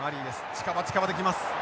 近場近場で来ます。